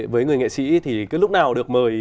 với người nghệ sĩ thì cứ lúc nào được mời